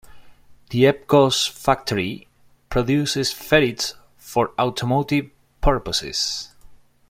The Epcos factory produces ferits for automotive purposes.